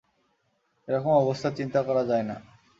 এরকম অবস্থা চিন্তা করা যায় না।